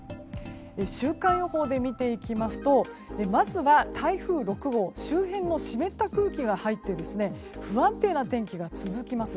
週間予報で見ていきますとまずは台風６号周辺の湿った空気が入って不安定な天気が続きます。